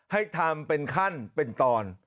ให้ทำเป็นขั้นเป็นตอน